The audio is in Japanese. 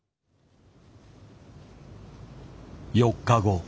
４日後。